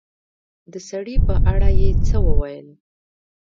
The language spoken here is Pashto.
د سړي په اړه يې څه وويل